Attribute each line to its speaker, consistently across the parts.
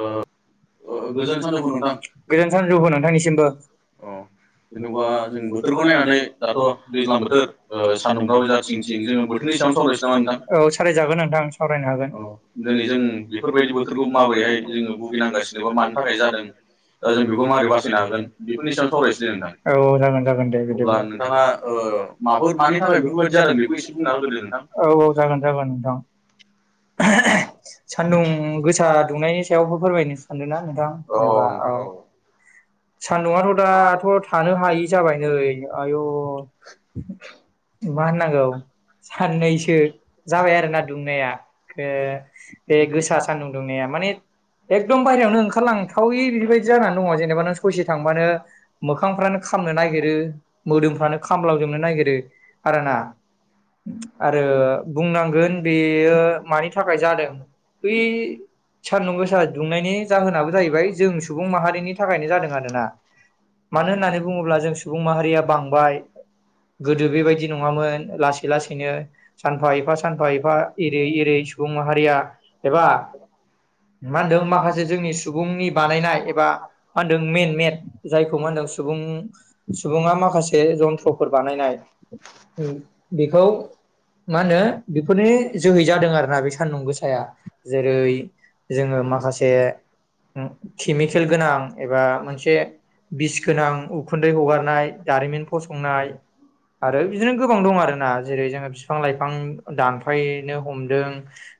Speaker 1: ओ ओ गोजोन सानजौफु नोंथां अ।
Speaker 2: बिदबा जों बोथोरखौ नायनानै दाथ' दैज्लां बोथोर ओ सानदुंफ्राबो जा थिं थिं जोङो बोथोरनि सायावनो सावरायसो नामा नोंथां औ सावरायजागोन नोंथां सावरायनो हागोन औ दिनै जों बेफोरबायदि बोथोरखौ माबोरैहाय जोङो भुगिनांगासिनोबा मानि थाखाय जादों दा जों बेखौ मारै बासायनो हागोन बेफोरनि सायावनो सावरायसै दे नोंथां अब्ला नोंथाङा ओ ओ माबाफोर मानि थाखाय बेफोरबायदि जादों बेखौ एसे बुंना होग्रोदो नोंथां। सान्दुं गोसा दुंनायनि सायावबो फोरमायनो सानदों ना नोंथां जेनेबा औ। सान्दुंआथ' दाथ' थानो हायि जाबाय नै आयु
Speaker 1: मा होननांगौ।
Speaker 2: साननैसो जाबाय आरोना दुंनाया ओ बे गोसा सान्दुं दुंनाया।
Speaker 1: माने
Speaker 2: एकदम बायहेरायावनो ओंखारलांथावै बेबायदि जानानै दङ जेनेबा नों ससे थांबानो मोखांफ्रानो खामनो नागिरो मोदोमफ्रानो खामलाव जोबनो नागिरो आरोना। आरो बुंनांगोन बेयो मानि थाखाय जादों। बै सानदुं गोसा सा दुंनायनि जाहोनाबो जाहैबाय जों सुबुं माहारिनि थाखायनो जादों आरोना। मानो होननानै बुङोब्ला जों सुबुं माहारिया बांबाय। गोदो बेबायदि नङामोन लासै लासैनो सानफा एफा सानफा एफा एरै एरै सुबुं माहारिया एबा
Speaker 1: [inaudible]
Speaker 2: मा होनदों माखासे जोंनि सुबुंनि बानायनाय एबा मा होनदों मेन मेट जायखौ मा होनदों सुबुं उम सुबुङा माखासे जन्थ्रफोर बानायनाय बेखौ मा होनो बेफोरनि जोहै जादों आरो ना बे सान्दुं गोसाया जेरै जोङो माखासे उम केमिकेल गोनां एबा मोनसे बिस गोनां उखुन्दै हगारनाय दारिमिन फसंनाय आरो बिदिनो गोबां दं आरोना जेरै जोङो बिफां लाइफां दानफायनो हमदों।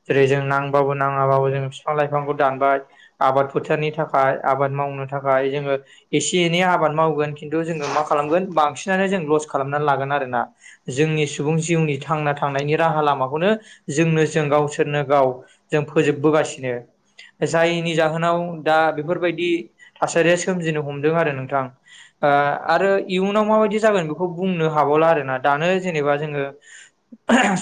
Speaker 2: जेरै जों नांबाबो नाङाबो जोङो फि फां लाइफांखौ दानबाय आबाद फोथारनि थाखाय आबाद मावनो थाखाय जोङो एसे एनै आबाद मावगोन खिन्थु जोङो मा खालाम बांसिनानो जों लस खालामनानै लागोन आरोना जोंनि सुबुं जिउ नि थांना थांनायनि राहा लामाखौनो जोंनो जों गावसोरनो गाव जों फोजोबबो
Speaker 1: [inaudible]
Speaker 2: जायनि जाहोनाव दा बेफोरबायदि थासारिया सोमजिनो हमदों आरो नोंथां ओ। ओ आरो इयुनाव माबायदि जागोन बेखौ बुंनो हाबावला आरोना दानो जेनेबा जोङो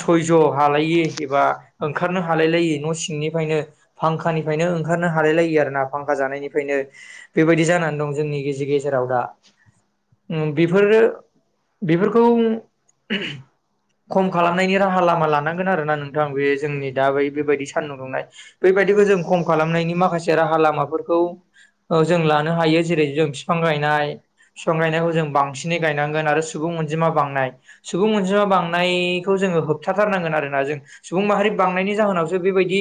Speaker 2: सयज' हालायि एबा ओंखारनो हालायलायि न' सिंनिफ्रायनो फांखानिफ्रायनो ओंखारनो हालाय लायि आरोना फांखा जानायनिफ्रायनो बेबायदि जानानै दं जोंनि गेजेर गेजेराव
Speaker 1: [inaudible]
Speaker 2: उम बेफोरो बेफोरखौ खम खालामनायनि राहा लामा लानांगोन आरोना नोंथां बे जोंनि दा बै बेबायदि सानदुं दुंनाय बैबायदिखौ जों खम खालामनायनि माखासे राहा लामाफोरखौ ओ जों लानो हायो जेरै जों फिफां
Speaker 1: [unintelligible]
Speaker 2: फिफां गायनायखौ जों बांसिनै गायनांगोन आरो सुबुं अनजिमा बांनाय सुबुं अनजिमा बांनायखौ जों जोङो होबथाथारनांगोन आरोना जों सुबुं माहारि बांनायनि जाहोनावसो बेबायदि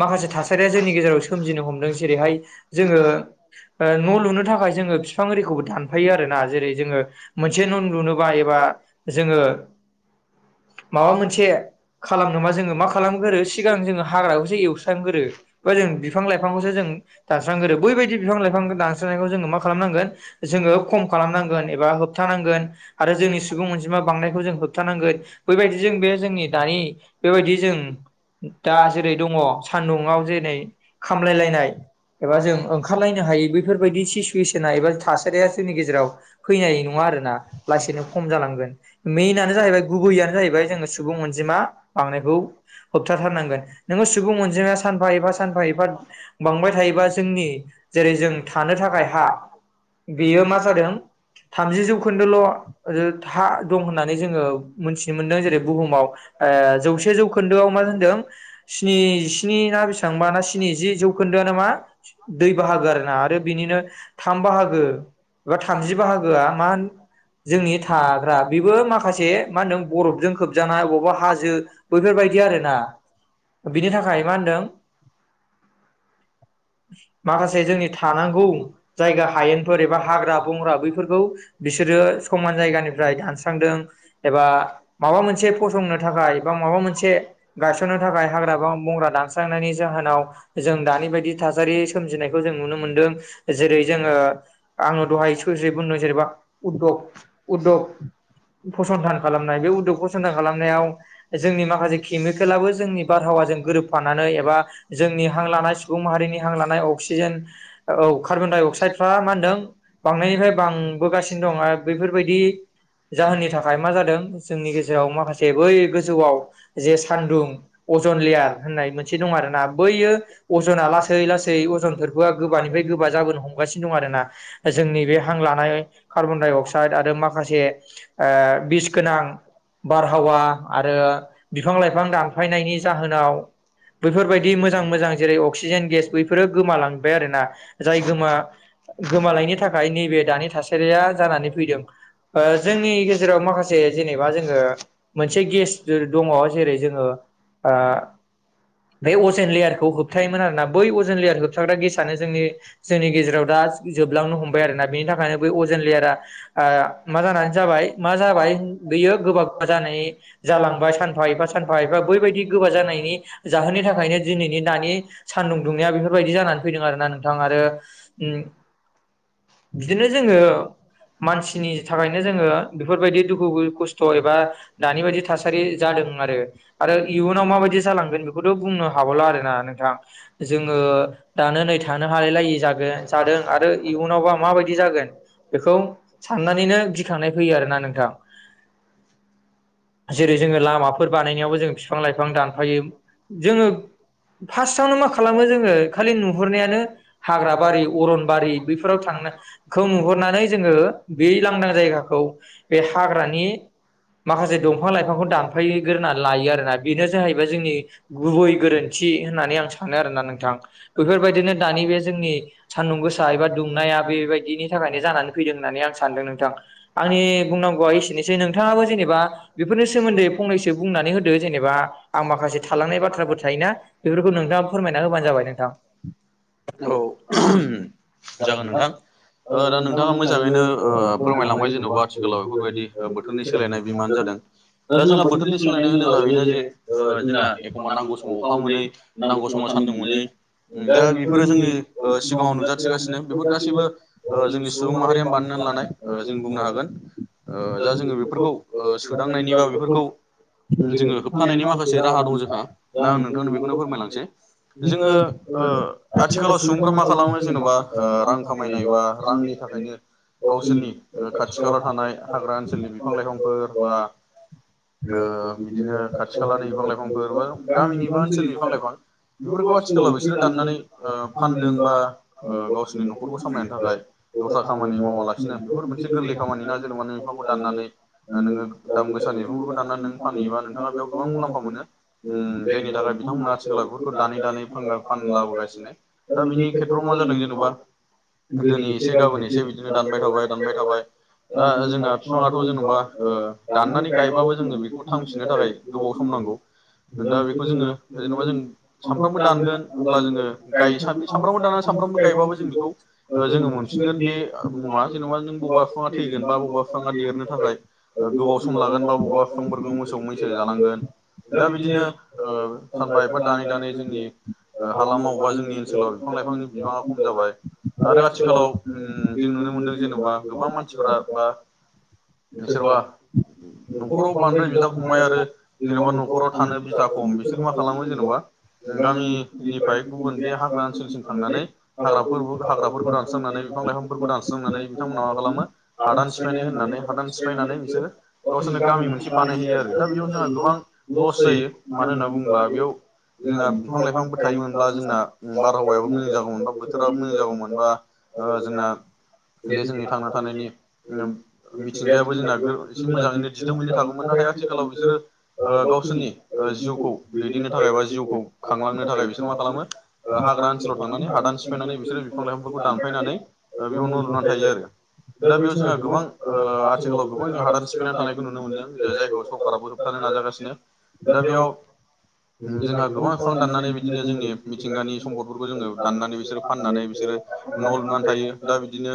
Speaker 2: माखासे थासारिया जोंनि गेजेराव सोमजिनो हमदों जेरैहाय जोङो ओ न' लुनो थाखाय जोङो फिफां ओरिखौबो दानफायो आरोना जेरै जोङो मोनसे न' लुनोबा एबा जोङो
Speaker 1: माबा मोनसे खालाम नोमा जोङो मा खालामग्रोदो सिगां जोङो हाग्रा
Speaker 2: जों गोदो ओ जों बिफां लाइफांखौसो जों दानस्रांग्रोरो बैबायदि बिफां लाइफांखौ जोङो मा खालामनां गोन जोङो खम खालामनांगोन एबा होबथानांगोन आरो जोंनि सुबुं अनजिमा बांनायखौ जों होबथा नांगो बैबायदि जों बे जोंनि दानि बैबायदि जों दा जेरै दङ सान्दुङाव जेरै खामलायलायनाय एबा जों ओंखारलायनो हायो बेफोरबायदि सिसुवेसना एबा थासारिया जोंनि गेजेराव फैनाय नङा आरोना लासैनो खम जालांगोन मइननो जाहैबाय गुबैयनो जाहैबाय जोङो सुबुं अनजिमा बा हानायखौ होबथा थारनांगोन नों जोंहा सानफा एफा सानफा एफा बांबाय थायोबा जोंनि जेरै जों थानो थाखाय हा बेयो मा जादों थामजि जौखोन्दोल' रो था दं होननानै जोङो मिथिनो मोनदों जेरै बुहुमाव ए जौसे जौखोन्दोआव मा होनदों स्नि स्नि ना बेसेबांबा ना स्नि जि जौखोन्दोआनो मा दै बाहागो आरो ना आरो बिनिनो थाम बाहागो एबा थामजि बाहागोआ मान जोंनि थाग्रा बेबो माखासे मा होनदों बरफजों खोबजानाय अबावबा हाजो बैफोरबाय गि आरो ना
Speaker 1: [unintelligible]
Speaker 2: बिनि थाखाय मा होनदों माखासे जोंनि थानांगौ जायगा हायेनफोर एबा हाग्रा बंग्रा बैफोरखौ बिसोरो समान जायगानिफ्राय दानस्रांदों एबा माबा मोनसे फसंनो थाखाय एबा माब माबा मोनसे गायसननो थाखाय हाग्रा बा बंग्रा दानस्रांनायनि जाहोनाव जों दानि बायदि थासारि सोमजिनायखौ जों नुनो मोनदों जेरै जोङो आङो दहाय सोरसे बुंदों जेनेबा उदग उदग फसंथान खालामनाय बे उदग फसंथान खालामनायाव जोंनि माखासे केमिकेलाबो जोंनि बारहावाजों गोरोब फनानै एबा जोंनि हां लानाय सुबुं माहारिनि हां लानाय ए अक्सिजेन औ कार्बन डाइ अक्साइड्रा मा होनदों बांनायनिफ्राय बांबोगासिनो दं आ
Speaker 1: खारदो बेबायगि
Speaker 2: जाहोननि थाखाय मा जादों जोंनि गेजेराव माखासे बै गोजौआव जे सान्दुं अजन लेयार होननाय मोनसे दं आरो ना बैयो अजना लासै लासै अजनथोरबोआ गोबानिफाय गोबा जाबोनो हमानो दं आरोना जोंनि बे हां लानाय कार्बन डाइ अक्स थायद आरो माखासे आ बिस गोनां बारहावा आरो बिफां लाइफां दानफायनायनि जाहोनाव बैफोरबायाददि मोजां मोजां जेरै अक्सिजेन गेस बैफोर रो गोमालांबाय आरोना जाय गोमा गोमालायनि थाखाय नैबे दानि थासारिया जारा नै फैदों आ जोंनि गेजेराव माखासे जेनेबा जोङो मोनसे गेस दङ जेरै जोङो
Speaker 1: आ
Speaker 2: बे अजेन लेयारखौ होबथायोमोन आरोना बै अजे लेयार होबसाग्रा गेसआानो जोंनि जोंनि गेजेराव दा जोबलांनो हमबाय आरोना बेनि थाखायनो बै अजेन लेयारा आ मा जानानै जाबाय मा जाबाय बियो गोबा जानाय जालांबाय सान फा एफा सानफा एफा बैबायदि गोबा जानायनि जाहोननि थाखायनो दिनैनि दानि सानदुं दुंनाया बेफो बेबायदि जानानै फैदों आरोना नोंथां आरो बिदिनो जोङो मानसिनि थाखायनो जोङो बेफोरबायदि दुखु खस्थ' एबा दानि बायदि थासारि जादो रों आरो । आरो इउनाव माय जालोन बेखौ' बुंनो हावला आरोना नोंथां जोङो ओ दा नो नै थानो हालायायै जागो जादों आरो इयुनावबा माबायदि जागोन बेखौ अ साननानैनो गिखांनाय फैयो आरोना नोंथां ।
Speaker 1: [unintelligible]
Speaker 2: जेरै जोङो लामाफोर बानायनायावबो जों बिफां लाइफां दानफायो
Speaker 1: जोङो
Speaker 2: फार्स्टआवनो मा खालामो जोङो खालि नुहुरनायानो हाग्रा बारि अरनबारि बैफोराव थां खो मुहुरनानै जोङो बे लांदां जायगाखौ बे हाग्रानि माखासे दंफां लाइफांखौ दानफायग्रोनानै लायो आरोना बेनो जाहैबाय जोंनि गुबै गोरोन्थि होननानै आं सानो आरोना नोंथां बेफोरबायदिनो दानि बे जोंनि सानदुंगो सा एबा दुंनाया बेबायदिनि थाखायनो जानानै फैदों होननानै आं सानदों नोंथां आंनि बुंनांगौआसे बिनोसै नोंथाङाबो जेनेबा बेफोरनि सोमोन्दै फंनैसो बुंनानै होदो जेनेबा आं माखासे थालांनाय बाथ्रफोर थायोना बेफोरखौ नोंथांङा फोरमायना होबानो जाबाय नोंथां
Speaker 1: औ ओहोम जागोन नोंथां। दा नोंथाङा मोजांङैनो फोरमायलांबाय जेन'बा आथिखालाव बेफोरबायदि बोथोरनि सोलायनाय बिमानो जादों? दा जोंहा बोथोरनि सोलायनाय होनोब्ला बेनो जे ओ जोंना एखमब्ला नांगौ समाव अखा मोनै नांगौ समाव सान्दुं मोनै ओम दा बेफोरो ओ जोंनि सिगांङाव नुजाथिगासिनो बेफोर गासैबो ओ जोंनि सुबुं माहारिया बानायनो लानाय ओ जों बुंनो हागोन ओ दा जों बेफोरखौ ओ सुदांनायनि बा बेफोरखौ जोंङो अ होबथानायनि माखासे राहा दं जोंहा दा आं नोंथांनो बेखौनो फोरमायलांसै जोंङो ओ आथिखालाव सुबुंफ्रा मा खालामो जेनेबा ओ रां खामायनाय बा रांनि थाखाय थाखायनो गावसोरनि ओ खाथि खालाव थानाय हाग्रा ओनसोलनि बिफां लाइफांफोर बा ओ बिदिनो खाथि खालानि बिफां लाइफांफोर बा गामिनि बा ओनसोलनि बिफां लाइफां बेफोरखौ आथिखालाव बिसोरो दाननानै ओ फानदों बा ओ गावसोरनि न'खरखौ सामलायनो थाखाय दस्रा खामानि मावालासिनो बेफोर मोनसे गोरलै खामानि ना जेनेबा नों बिफोंखौ दाननानै नोंङो दाम गोसानि बिफांफोरखौ दाननानै नों फानहयोबा नोंथाङा बेयाव गोबां मुलाम्फा मोनो। आम जायनि थाखाय बिथांमोना आथिखालाव बेफोरखौ दानै दानै फान फानलाबोगासिनो दा बिनि खेथ्रआव मा ज जादों जेनेबा दिनै एसे गाबोन एसे बिदिनो दानबाय थाबाय दानबाय थाबाय दा जोंना बिफांङाथ' जेन'बा ओ दाननानै गायबाबो जोंनो बेखौ थांफिननो थाखाय गोबाव सम नांगौ। दा बेखौ जोंङो जेनेबा जों सानफ्रामबो दानगोन अब्ला जोंङो गाय सानफ्रामबो दान सानफ्रबो गायबाबो जों ओ मोनफिनगोन बे मुवा जेनेबा बबा बिफांङा थैगोन बा बबा बिफांङा देरनो थाखाय ओ गोबाव सम लागोन बा बबेबा बिफांफोरखौ मोसौ मैसो जालांगोन दा बिदिनो ओ सानफा एफा दानै दानै जोंनि हालामाव बा जोंनि ओनसोलाव बिफां लाइफांनि बिबांङा खम जाबाय आरो आथिखालाव ओम जों नुनो मोनदों जेनेबा गोबां मानसिफोरा बा सोरबा न'खराव बांद्राय बिदा फंबाय आरो जेनेबा न'खराव थानो बिथा खम बिसोर मा खालामो जेनेबा गामिनिफ्राय गुबुन बे हाग्रा ओनसोलसिम थांनानै हाग्रा हाग्राफोरखौ दानस्रांनानै बिफां लाइफांफोरखौ दानस्रांनानै बिथांमोना मा खालामो हादान सिफायनाय होननानै हादान सिफायनानै बिसोरो गावसोरनो गामि मोनसे बानायहोयो आरो दा बेयाव जोंहा गोबां लस जायो। मानो होनना बुंङोब्ला बेयाव जोंहा बिफां लाइफांबो थायोमोनब्ला जोंना बारहावायाबो मोजां जागौमोनबा बोथोराबो मोजां जागौमोनबा ओ जोंना बे जोंनि थांना थानायनि मिथिंगायाबो जोंना एसे मोजांङैनो दिदोमहैनो थागौमोन नाथाय आथिखालाव बिसोरो ओ गावसोरनि ओ जिउखौ दैदेननो थाखाय बा जिउखौ खांलांनो थाखाय बिसोर मा खालामो हाग्रा ओनसोलाव थांनानै हादान दान सिफायनानै बिसोरो बिफां लाइफांफोरखौ दानफायनानै बेयाव न' लुनानै थायो आरो। दा बेयाव जोंहा गोबां ओ आथिखालाव गोबां जों हादान सिफैनानै थानायखौ नुनो मोनदों जे जायखौ सरकाराबो होबथानो नाजागासिनो दा बेयाव जोंहा गोबां बिफां दाननानै बिदिनो जोंनि मिथिंगानि सम्पदफोरखौ जोंङो दाननानै बिसोरो फाननानै बिसोर न' लुनानै थायो दा बिदिनो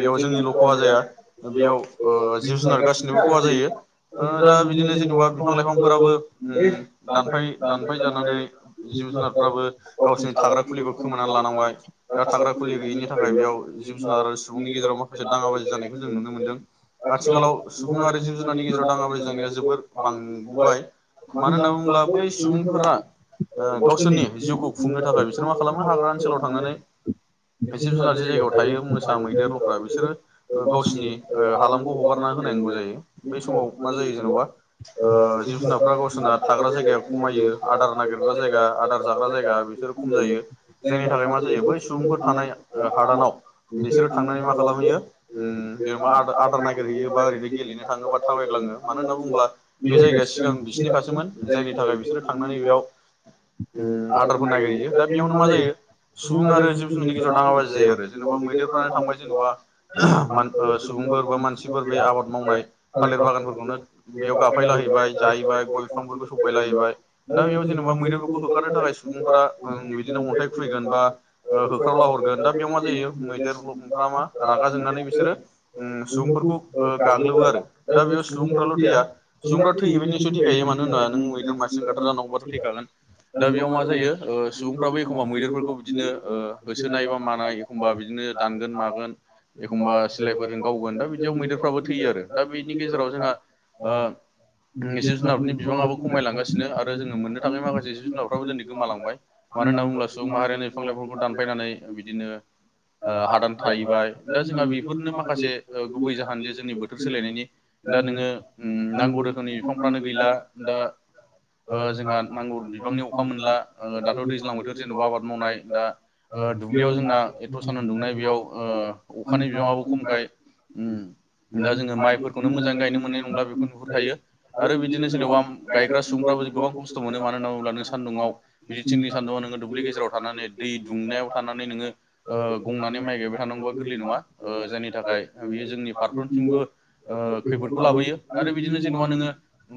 Speaker 1: बेयाव जोंनिल' खहा जाया बेयाव ओ जिब जुनार गासिनोबो खहा जायो ओ दा बिदिनो जेनेबा बिफां लाइफांफोराबो ओम दानफाय दानफाय जानानै जिब जुनारफ्राबो गावसिोरनि थाग्रा खुलिखौ खोमा ला थांबाय दा थाग्रा खुलि गैयैनि थाखाय बेयाव जिब जुनार आरो सुबुंनि गेजेराव माखासे दाङाबाजि जानायखौ जों नुनो मोनदों। आथिखालाव सुबुं आरो जिब जुनारनि गेजेराव दांङाबाजि जेंनाया जोबोर बांबोबाय मानो होनना बुंङोब बै सुबुंफोरा ओ गावसोरनि जिउखौ खुंनो थाखाय बिसोर मा खालामो हाग्रा ओनसोलाव थांनानै जिब जुनारसि जायगायाव थायो मोसा मैदेर लख्रा बिसोरो गावसोरनि ओ हालामखौ हगारना होनाय बै समाव मा जायो जेनावबा ओ जिब जुनारफोरा गावनि सोना थाग्रा जायगाया खमायो आदार नागिरग्रा जायगा आदार जाग्रा जायगा बिसोरो खम जायो जोंनि थाखाय मा जायो बै सुबुंफोर थानाय ओ हादानाव बिसोरो थांनानै मा खालामहैयो ओम आदार आदार नागिरहैयोबा ओरैनो गेलेनो थाङोबा थाबायग्लाङो मानो होननानै बुङोब्ला बे जायगाया सिगां बिसिनि खासोमोन जायनि थाखाय बिसोरो थांनानै बेयाव ओम आदारफोर नागिरहैयो दा बेयावनो मा जायो सुबुं आरो जिब जुननि गेजेराव दाङाबाजि जायो आरो जेन'बा मैदेरफ्रानो थांबाय जेनेबा मान सुबुं -फोर बा मानसिफोर बे आबाद मावनाय थालिर बागानफोरखौनो बेयाव गाफायलाहैबाय जाय -यैबाय गय बिफांफोरखौ सौफायलाहैबाय दा बेयाव जेनेबा मैदेरफोरखौ होखारनो थाखाय सुबुंफोरा ओम बिदिनो अन -थाइ खुइगोन बाह होख्राव लाहरगोन दा बेयाव मा जायो मैदेर हुमग्रा मा रागा जोंनानै बिसोरो ओम सुबुंफोरखौ गाग्लोबो आरो दा बेयाव सुबुंफ्राल' थैया सुबुंफ्रा थैयो बे निस्सय थैखायो मानो होनबा नों मैदेर मासि गाथार जानांगौबाथ' थैखागोन दा बेयाव मा जायो ओ सुबुंफ्राबो एखमबा मैदेरफोरखौ बिदिनो ओ होसोनाय बा मानाय एखमबा बिदिनो दानगोन मागोन एखनबा सिलायफोरजों गावगोन दा बिदियावनो मैदेरफ्राबो थैयो आरो दा बेनि गेजेराव जोंहा ओ जिब जुनारफोरनि बिबाङाबो खमायलांगासिनो आरो जोङो मोननो थाङै माखासे जिब जुनारफ्राबो दोनै गोमालांबाय मानो होनना बुङोब्ला सुबुं माहारियानो बिफां लाइफांखौ दानफायनानै बिदिनो ओ हादान थाहैबाय दा जोंहा बेफोरनो माखासे गुबै ओ जाहोन जे जोंनि बोथोर सोलायनायनि दा नोङो ओम नांगौ रोखोमनि बिफांफ्रानो गैला दा ओ एनूजोंहा नांगौ बिबांनि अखा मोनला दाथ' दैज्लां बोथोर जेनेबा आबाद मावनाय दा ओ दुब्लियाव जोंना एथ' सान्दुं उदुंनाय बेयाव ओ अखानि बिबाङाबो खमखाय उम दा जोङो माइफोरखौनो मोजां गायनो मोननाय नंला बेखौ नुहुरखायो आरो बिदिनो जेनेबा गायग्रा सुबुंफ्राबो गोबां खस्थ' मोनो मानो होनना बुोब्ला नों सान्दुंआव बिदि थिंनि सान्दुङाव नोङो दुब्लि गेजेराव थानानै दै दुंनायाव थानानै नोङो ओ गंनानै माइ गायबाय थानांगौवा गोरलै नङा ओ जायनि थाखाय बियो जोंनि फारफ्रोमथिंबो ओ खैफोदखौ लाबोयो आरो बिदिनो जेन'बा नोङो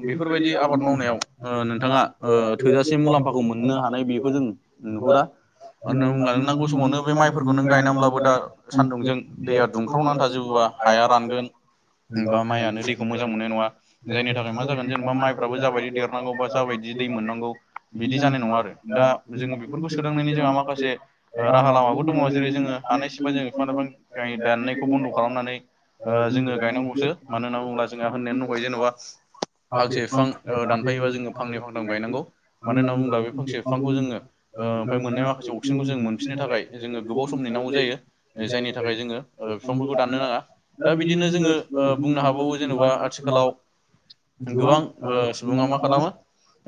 Speaker 1: बेफोरबायदि आबाद मावनायाव ओ नोंथाङा थोजासे मुलाम्फाखौ मोननो हानाय बेखौ जों नुहुरा मानो होननानै बुंब्ला नांगौ समावनो बे माइफोरखौ नों गायनानैब्लाबो दा सान्दुंजों दैया दुंख्रावनानै थाजोबोबा हाया रानगोन बा माइयानो दैखौ मोजां मोननाय नङा जायनि थाखाय मा जागोन जेनेबा माइफ्राबो जाबायदि देरनांगौ बा जाबायदि दै मोननांगौ बिदि जानाय नङा आरो दा जोङो बेफोरखौ सोदांनायनि जोंहा माखासे ओ राहा लामाबो दङ जेरै जोङो हानायसिबा जोङो बिफां लाइफां गाय दाननायखौ बन्द' खालामनानै ओ जोङो गायनांगौसो मानो होनना बुङोब्ला जोंहा होननायानो दंखायो जेन'बा फांसे बिफां ओ दानफायोबा जोङो फांनै फांथाम गायनांगौ मानो होनना बुङोब्ला बे फांसे बिफांखौ जोङो ओ ओमफाय मोननाय माखासे अक्सिजेनखौ जों मोनफिननो थाखाय जोङो गोबाव सम नेनांगौ जायो जायनि थाखाय जोङो फिफांफोरखौ दाननो नाङा दा बिदिनो जोङो ओ बुंनो हाबावो जेनेबा आथिखालाव गोबां ओ सुबुङा मा खालामो ओ